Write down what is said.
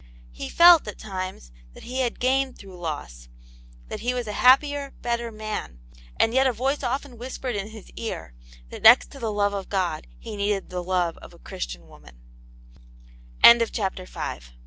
He felt, at times, that he had gained through loss : that he was a happier, better man ; and yet a voice often whispered in his ear, that next to the love of God he needed the love of a Christian woman, CHAPTER VI.